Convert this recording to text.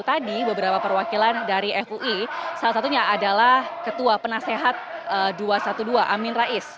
tadi beberapa perwakilan dari fui salah satunya adalah ketua penasehat dua ratus dua belas amin rais